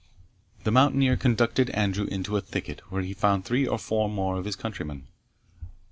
The mountaineer conducted Andrew into a thicket, where he found three or four more of his countrymen.